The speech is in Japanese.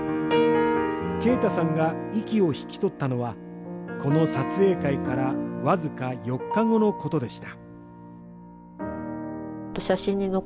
慶太さんが息を引き取ったのは、この撮影会から僅か４日後のことでした。